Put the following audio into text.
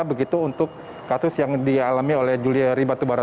begitu untuk kasus yang dialami oleh julia ripi terbatubara